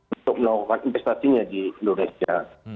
untuk melakukan investasinya di indonesia